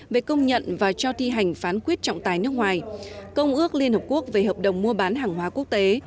về công nhận và cho thi hành phán quyết trọng tài nước ngoài công ước liên hợp quốc về hợp đồng mua bán hàng hóa quốc tế